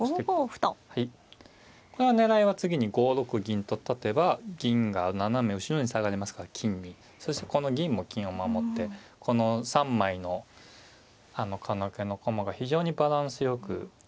はいこれは狙いは次に５六銀と立てば銀が斜め後ろに下がれますから金にそしてこの銀も金を守ってこの３枚の金気の駒が非常にバランスよく。